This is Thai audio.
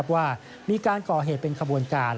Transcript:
ว่ามีการก่อเหตุเป็นขบวนการ